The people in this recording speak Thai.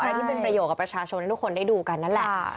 ที่เป็นประโยชนกับประชาชนให้ทุกคนได้ดูกันนั่นแหละ